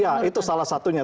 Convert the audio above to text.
ya itu salah satunya